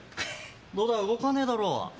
どうだ、動かねえだろ。